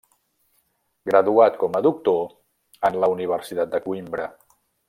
Graduat com a Doctor en la Universitat de Coïmbra.